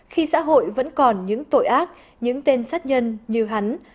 khi xã hội vẫn còn những tội ác những tên sát nhân như hắn